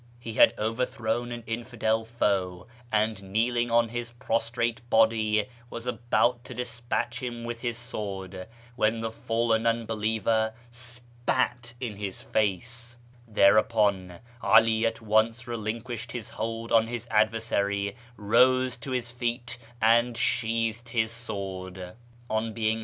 He had overthrown an infidel foe, and, kneeling on his prostrate body, was about to despatch him ^ with his sword, when the fallen unbeliever spat in his face. Thereupon 'Ali at once relinquished his hold on his adversary, rose to his feet, and sheathed his sword. On beino asked the 1 j ^ See, for instance, d Fakliri (eJ.